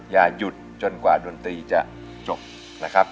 อย่าหยุดจนกว่าดนตรีจะจบนะครับ